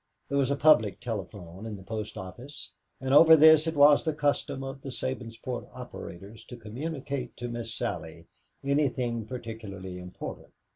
There was a public telephone in the post office, and over this it was the custom of the Sabinsport operators to communicate to Miss Sally anything particularly important.